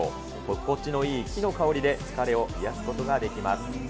心地のいい木の香りで疲れを癒やすことができます。